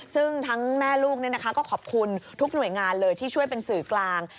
ซึ่งทั้งแม่ลูกก็ขอบคุณทุกหน่วยงานเลยที่ช่วยเป็นสื่อกลาง